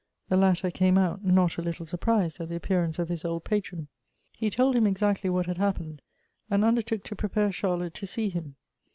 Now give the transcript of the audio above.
The latter came out, not a little surprised at the appearance of his old patron. He told him exactly what had happened, and undertook to prepare Charlotte to see him.